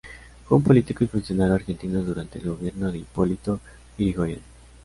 Fue un político y funcionario argentino durante el gobierno de Hipolito Yrigoyen.